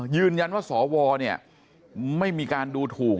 ยืนยันว่าสวเนี่ยไม่มีการดูถูก